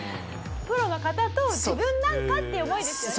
プロの方と自分なんかって思いですよね。